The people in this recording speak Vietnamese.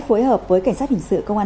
phối hợp với cảnh sát hình sự công an